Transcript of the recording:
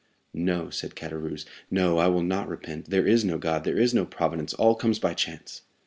"No," said Caderousse, "no; I will not repent. There is no God; there is no Providence—all comes by chance."